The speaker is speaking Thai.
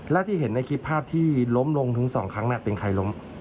และที่เห็นในคลิปภาพที่ล้มลงถึง๒ครั้งเป็นใครล้ม